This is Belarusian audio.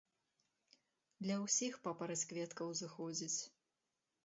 Для ўсіх папараць-кветка ўзыходзіць.